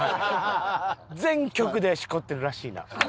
全局でシコってるらしいな？